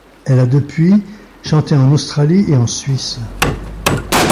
Elle a depuis chanté en Australie et en Suisse.